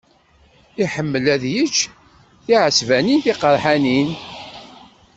Iḥemmel ad yečč tiɛesbanin tiqeṛḥanin.